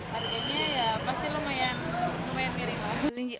harganya ya pasti lumayan miring